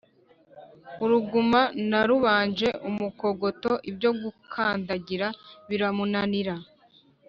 Uruguma narubanje umukogoto ibyo gukandagira biramunanira,